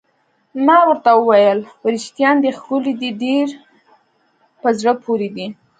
ما ورته وویل: وریښتان دې ښکلي دي، چې ډېر په زړه پورې دي.